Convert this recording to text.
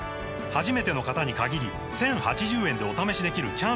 初めての方に限り１０８０円でお試しできるチャンスです